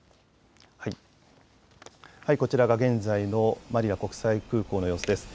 こちらが現在のマニラ国際空港の様子です。